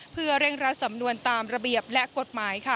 เพื่อเร่งรัดสำนวนตามระเบียบและกฎหมายค่ะ